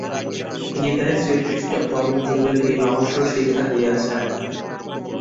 গীতায় শ্রীকৃষ্ণ কর্মযোগের এই রহস্য শিক্ষা দিয়াছেন।